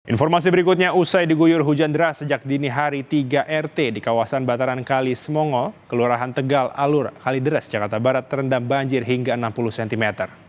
informasi berikutnya usai diguyur hujan deras sejak dini hari tiga rt di kawasan bataran kali semongo kelurahan tegal alur kalideres jakarta barat terendam banjir hingga enam puluh cm